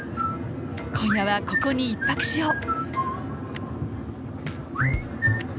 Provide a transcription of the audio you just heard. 今夜はここに１泊しよう。